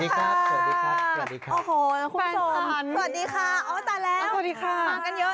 สวัสดีค่ะสวัสดีค่ะ